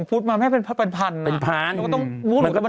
ไปปลูกนะฮะเป็นเหมือนกับอ่ามุมนิติธิชะยันโตนะฮะอยู่ที่ทางอ่า